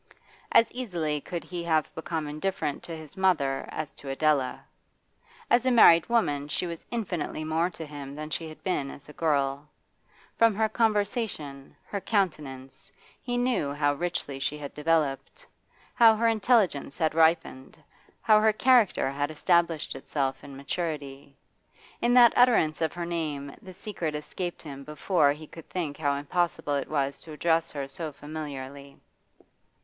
As easily could he have become indifferent to his mother as to Adela. As a married woman she was infinitely more to him than she had been as a girl; from her conversation, her countenance, he knew how richly she had developed, how her intelligence had ripened how her character had established itself in maturity. In that utterance of her name the secret escaped him before he could think how impossible it was to address her so familiarly.